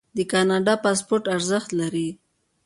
د کاناډا پاسپورت ارزښت لري.